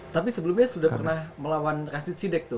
tapi sebelumnya sudah pernah melawan rasid sidek tuh